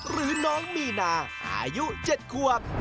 หรือน้องมีนาอายุ๗ควบ